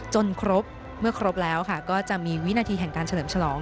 ครบเมื่อครบแล้วก็จะมีวินาทีแห่งการเฉลิมฉลอง